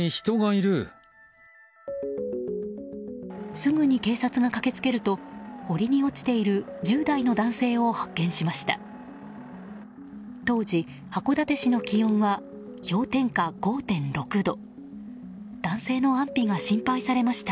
すぐに警察が駆けつけると堀に落ちている１０代の男性を発見しました。